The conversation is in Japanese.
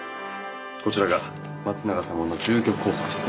こちらが松永様の住居候補です。